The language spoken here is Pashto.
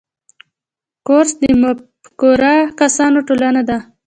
کورس د همفکره کسانو ټولنه ده.